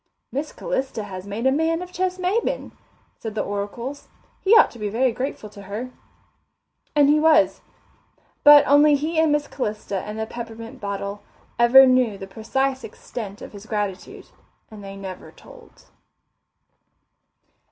"Miss Calista has made a man of Ches Maybin," said the oracles. "He ought to be very grateful to her." And he was. But only he and Miss Calista and the peppermint bottle ever knew the precise extent of his gratitude, and they never told.